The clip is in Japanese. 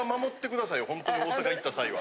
ほんとに大阪行った際は。